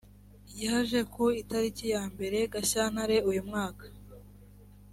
yaje ku itariki ya mbere gashyantare uyu mwaka